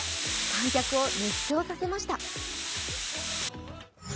観客を熱狂させました。